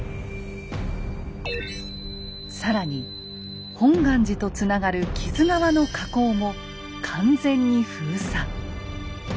更に本願寺とつながる木津川の河口も完全に封鎖。